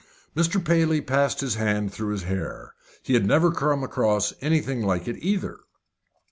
Mr. Paley passed his hand through his hair. He had never come across anything like it either.